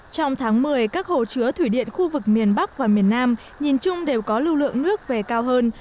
trong tháng một mươi các hồ chứa thủy điện khu vực miền bắc và miền nam nhìn chung đều có lưu lượng nước về cao hơn